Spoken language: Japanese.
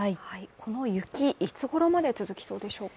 この雪、いつごろまで続きそうでしょうか？